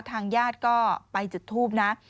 ทางญาติก็ไปจุดทูปนะ